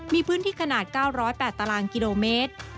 มีพื้นที่ขนาด๙๐๘ตารางกิโลเมตร